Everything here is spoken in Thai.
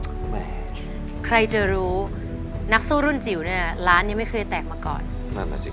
ใครจะรู้นักสู้รุ่นจิ๋วเนี่ยร้านยังไม่เคยแตกมาก่อนนั่นแหละสิ